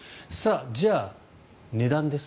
じゃあ、値段です。